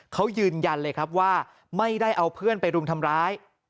เขายืนยันเลยครับว่าไม่ได้เอาเพื่อนไปรุมทำร้าย